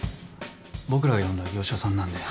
僕らが呼んだ業者さんなんで。